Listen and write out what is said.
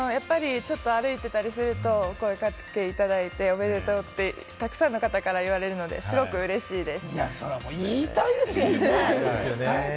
やっぱり歩いていたりすると、声かけていただいて、おめでとうと、たくさんの人から言われるので、すごくうれしいです。